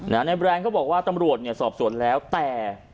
แบรนด์เขาบอกว่าตำรวจเนี่ยสอบสวนแล้วแต่